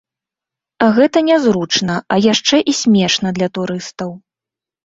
Гэта нязручна, а яшчэ і смешна для турыстаў.